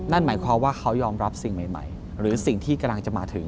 นั่นหมายความว่าเขายอมรับสิ่งใหม่หรือสิ่งที่กำลังจะมาถึง